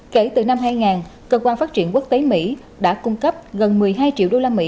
kể từ năm hai nghìn cơ quan phát triển quốc tế mỹ đã cung cấp gần một mươi hai triệu usd